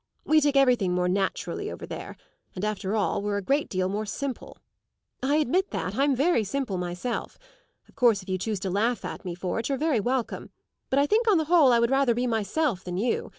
We take everything more naturally over there, and, after all, we're a great deal more simple. I admit that; I'm very simple myself. Of course if you choose to laugh at me for it you're very welcome; but I think on the whole I would rather be myself than you.